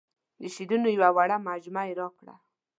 د شعرونو یوه وړه مجموعه یې راکړه.